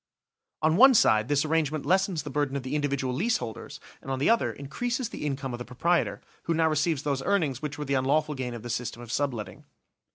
On one side this arrangement lessens the burden of the individual lease holders, and on the other increases the income of the proprietor, who now receives those earnings which were the unlawful gain of the system of subletting.